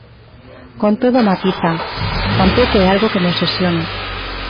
Con todo, matiza: "Tampouco é algo que me obsesione".